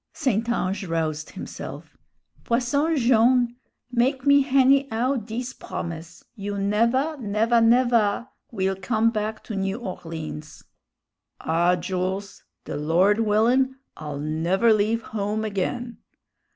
St. Ange roused himself. "Posson Jone'! make me hany'ow dis promise: you never, never, never will come back to New Orleans." "Ah, Jools, the Lord willin', I'll never leave home again!"